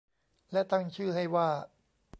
และตั้งชื่อให้ว่า